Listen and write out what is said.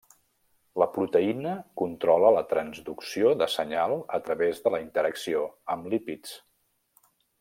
La proteïna controla la transducció de senyal a través de la interacció amb lípids.